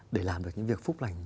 để làm được những việc phúc lành